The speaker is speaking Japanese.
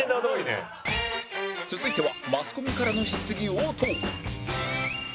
続いてはマスコミからの質疑応答